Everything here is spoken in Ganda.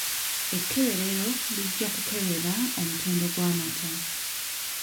Ekkeberero lijja kukebera omutindo gw'amata.